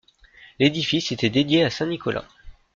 L'édifice était dédié à saint Nicolas.